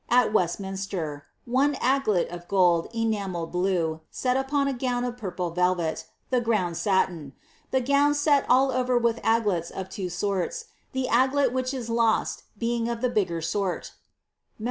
at Wett minffter, one aglet of gold enamelled blue, set upon a gown of purple velvet, the pound mtin ; the gown set all over with aglets of two sorts, the aglet which is lost being of the bigger sort Mem.